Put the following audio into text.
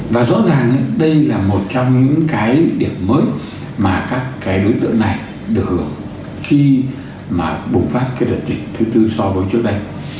và rõ ràng đây là một trong những cái điểm mới mà các cái đối tượng này được khi mà bùng phát cái đợt dịch thứ tư so với trước đây